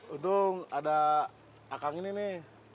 untung ada akang ini nih